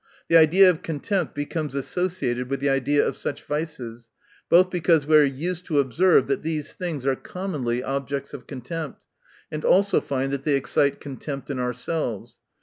The idea of contempt becomes associated with the idea of such vices, both because we are used to observe that those things are commonly objects of contempt, and also find that they excite con tempt, in ourselves.